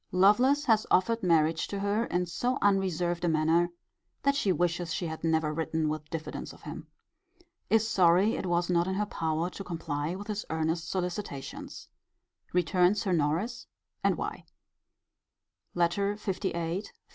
Lovelace has offered marriage to her in so unreserved a manner, that she wishes she had never written with diffidence of him. Is sorry it was not in her power to comply with his earnest solicitations. Returns her Norris: and why. LETTER LVIII.